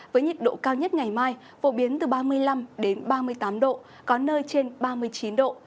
với nhiệt độ cao nhất ngày mai phổ biến từ ba mươi năm ba mươi tám độ có nơi trên ba mươi chín độ